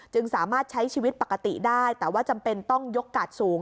สามารถใช้ชีวิตปกติได้แต่ว่าจำเป็นต้องยกกาดสูง